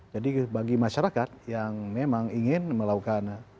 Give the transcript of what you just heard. jadi bagi masyarakat yang memang ingin melakukan